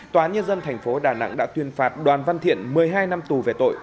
tòa nhân dân tp đà nẵng đã tuyên phạt đoàn văn thiện một mươi hai năm tù về tội